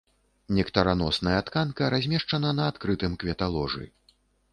Нектараносная тканка размешчана на адкрытым кветаложы.